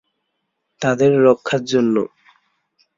তাদের রক্ষার জন্য।